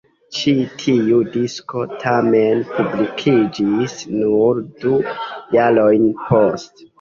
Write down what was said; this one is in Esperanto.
Ĉi tiu disko tamen publikiĝis nur du jarojn poste.